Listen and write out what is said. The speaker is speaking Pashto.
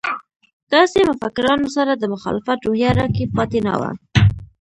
داسې مفکرانو سره د مخالفت روحیه راکې پاتې نه وه.